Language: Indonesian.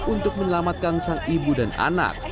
untuk menyelamatkan sang ibu dan anak